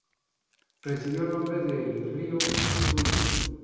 Recibió el nombre del río Zulia.